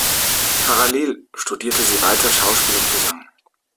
Parallel studierte sie weiter Schauspiel und Gesang.